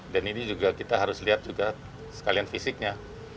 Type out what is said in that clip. dan ini juga kita harus lihat juga sekalian fisiknya